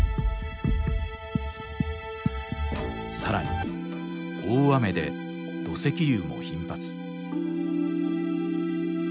さらに大雨で土石流も頻発。